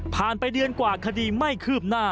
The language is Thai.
ไปเดือนกว่าคดีไม่คืบหน้า